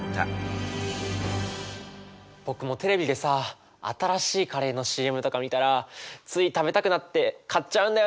僕もテレビでさ新しいカレーのＣＭとか見たらつい食べたくなって買っちゃうんだよね。